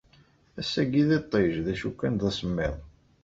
Ass-agi d iṭij, d acu kan d asemmiḍ.